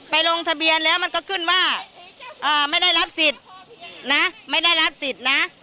ลงทะเบียนแล้วมันก็ขึ้นว่าไม่ได้รับสิทธิ์นะไม่ได้รับสิทธิ์นะ